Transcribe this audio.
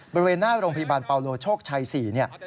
บริเวณหน้าโรงพิบันปาโลโชคชัย๔